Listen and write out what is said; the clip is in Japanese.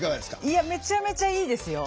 いやめちゃめちゃいいですよ。